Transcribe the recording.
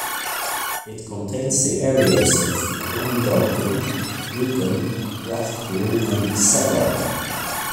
It contains the areas of Clondalkin, Lucan, Rathcoole and Saggart.